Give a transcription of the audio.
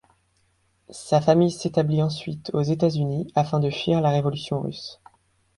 Sa famille s'établit ensuite aux États-Unis afin de fuir la Révolution russe.